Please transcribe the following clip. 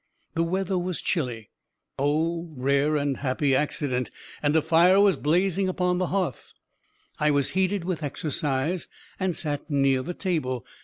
The weather was chilly (oh, rare and happy accident!), and a fire was blazing upon the hearth. I was heated with exercise and sat near the table.